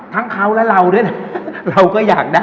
ทั้งเขาและเราด้วยนะเราก็อยากได้